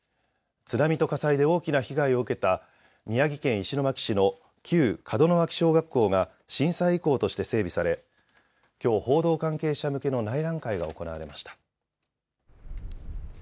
津波と火災で大きな被害を受けた宮城県石巻市の旧門脇小学校が震災遺構として整備され、きょう報道関係者向けの内覧会が行われました。